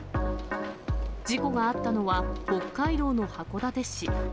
事故があったのは、北海道の函館市。